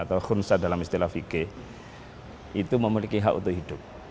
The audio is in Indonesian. atau hunsa dalam istilah fikih itu memiliki hak untuk hidup